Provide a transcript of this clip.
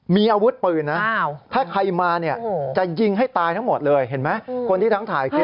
มีอาวุธปืนนะ